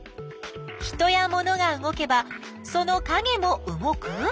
人やモノが動けばそのかげも動く？